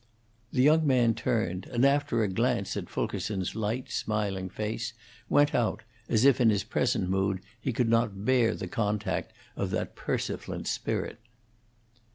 The young man turned, and, after a glance at Fulkerson's light, smiling face, went out, as if in his present mood he could not bear the contact of that persiflant spirit.